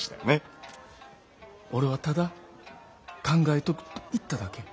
俺はただ考えとくと言っただけ。